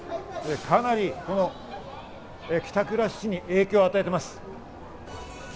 かなり帰宅ラッシュに影響を与えています。